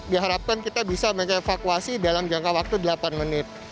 diharapkan kita bisa mengevakuasi dalam jangka waktu delapan menit